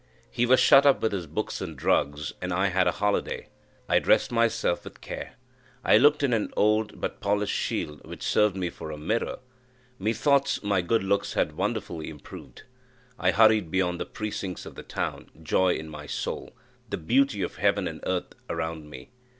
He was shut up with his books and drugs, and I had a holiday. I dressed myself with care; I looked in an old but polished shield which served me for a mirror; methoughts my good looks had wonderfully improved. I hurried beyond the precincts of the town, joy in my soul, the beauty of heaven and earth around me.